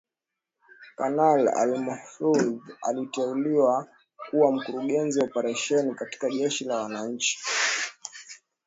Kanali Ali Mahfoudh aliteuliwa kuwa Mkurugenzi wa Operesheni katika Jeshi la Wananchi